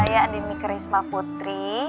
saya adini kerisma putri